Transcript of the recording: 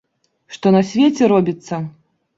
Што на свеце робіцца!